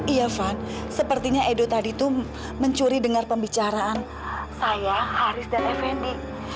iya van sepertinya edo tadi itu mencuri dengar pembicaraan saya arief dan effendi